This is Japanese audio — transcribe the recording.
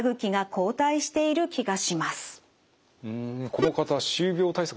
この方歯周病対策